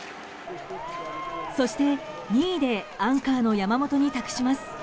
そして、２位でアンカーの山本に託します。